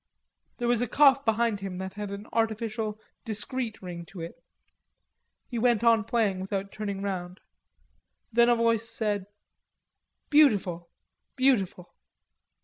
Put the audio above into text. There was a cough behind him that had an artificial, discreet ring to it. He went on playing without turning round. Then a voice said: "Beautiful, beautiful."